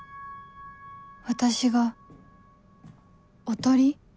私がおとり？